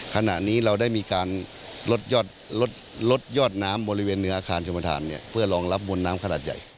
ขณะนี้เราได้มีการลดยอดน้ำบริเวณเหนืออาคารชมธานเพื่อรองรับมวลน้ำขนาดใหญ่